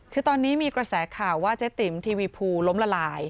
คือตอนนี้มีกระแสข่าวว่าเจ๊ติ๋มทีวีภูล้มละลาย